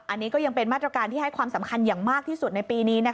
อันนี้ก็ยังเป็นมาตรการที่ให้ความสำคัญอย่างมากที่สุดในปีนี้